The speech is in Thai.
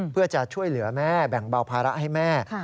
เพื่อจะช่วยเหลือแม่แบ่งเบาภาระให้แม่